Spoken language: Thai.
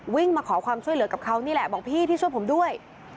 มาขอความช่วยเหลือกับเขานี่แหละบอกพี่พี่ช่วยผมด้วย